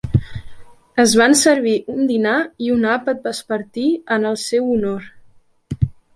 Es van servir un dinar i un àpat vespertí en el seu honor.